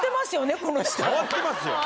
変わってますよね